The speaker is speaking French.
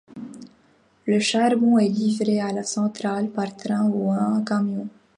Le charbon est livré à la centrale par train ou en camion.